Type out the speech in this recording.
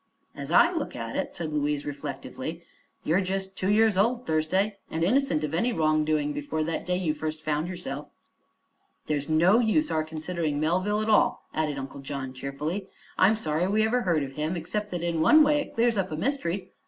"As I look at it," said Louise reflectively, "you are just two years old, Thursday, and innocent of any wrongdoing before that day you first found yourself." "There's no use our considering Melville at all," added Uncle John cheerfully. "I'm sorry we ever heard of him, except that in one way it clears up a mystery.